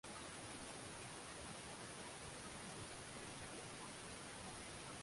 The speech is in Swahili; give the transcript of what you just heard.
tanzania ina mbuga nyingi sana za wanyama